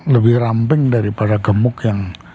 lebih ramping daripada gemuk yang